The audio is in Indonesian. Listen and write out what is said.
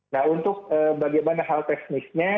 nah untuk bagaimana hal teknisnya